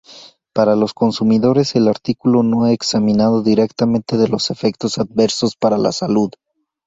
Para los consumidores, el artículo no examinado directamente los efectos adversos para la salud.